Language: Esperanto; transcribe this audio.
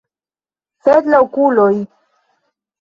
Sed la okuloj!